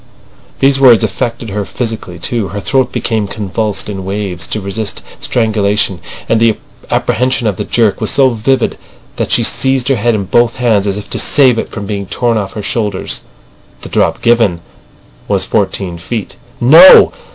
These words affected her physically too. Her throat became convulsed in waves to resist strangulation; and the apprehension of the jerk was so vivid that she seized her head in both hands as if to save it from being torn off her shoulders. "The drop given was fourteen feet." No!